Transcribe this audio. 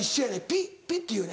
「ピ」「ピ」って言うね。